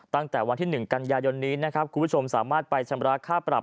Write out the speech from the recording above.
ตั้งแต่วันที่๑กันยายนนี้นะครับคุณผู้ชมสามารถไปชำระค่าปรับ